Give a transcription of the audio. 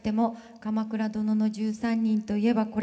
「鎌倉殿の１３人」といえばこれ。